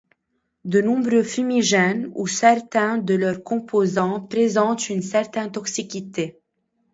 De nombreux fumigènes ou certains de leurs composants présentent une certaine toxicité.